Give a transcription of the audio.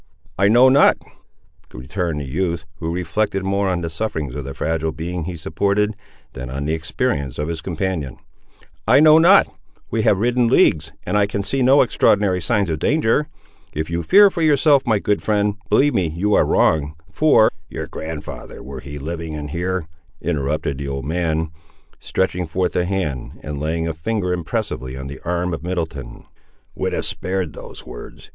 "I know not," returned the youth, who reflected more on the sufferings of the fragile being he supported, than on the experience of his companion; "I know not; we have ridden leagues, and I can see no extraordinary signs of danger:—if you fear for yourself, my good friend, believe me you are wrong, for—" "Your grand'ther, were he living and here," interrupted the old man, stretching forth a hand, and laying a finger impressively on the arm of Middleton, "would have spared those words.